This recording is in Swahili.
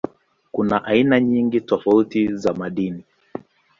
Kuna aina nyingi tofauti za madini.